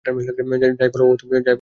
যাই বল, ও তোমাকে ভালোবাসে।